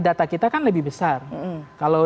data kita kan lebih besar kalau